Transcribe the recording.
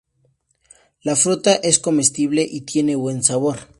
La fruta es comestible y tiene buen sabor.